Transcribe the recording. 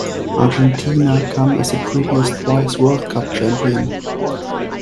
Argentina come as a previous twice World Cup champion.